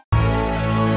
tidak ada bucinan iri